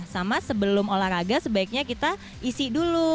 sama sebelum olahraga sebaiknya kita isi dulu